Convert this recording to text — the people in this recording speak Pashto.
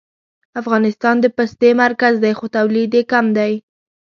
افغانستان د پستې مرکز دی خو تولید یې کم دی